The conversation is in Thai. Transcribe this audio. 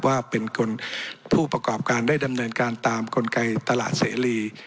ว่าเป็นคนผู้ประกอบการได้ดำเนินการตามกลไกตลาดเสรี